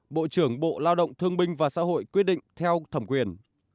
bộ trưởng bộ lao động thương binh và xã hội quyết định theo thẩm quyền